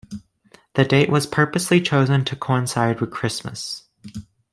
The date was purposely chosen to coincide with Christmas.